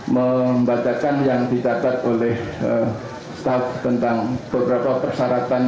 membatalkan yang didapat oleh staf tentang beberapa persyaratan